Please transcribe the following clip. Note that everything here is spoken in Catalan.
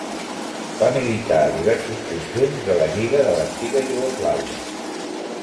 Va militar a diversos conjunts de la lliga de l'antiga Iugoslàvia.